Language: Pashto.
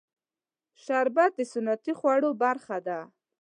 شربت د سنتي خوړو برخه ده